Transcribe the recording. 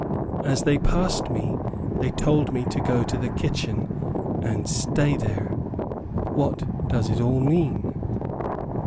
As they passed me, they told me to go to the kitchen, and stay there. What does it all mean?"